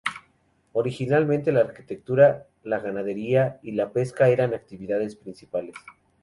Originalmente la agricultura, la ganadería y la pesca eran las actividades principales.